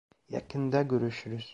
Yakında görüşürüz.